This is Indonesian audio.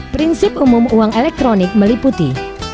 prinsip umum uang elektronik meliputi